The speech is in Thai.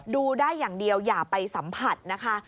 ดูได้อย่างเดียวอย่าไปสัมผัสนะคะ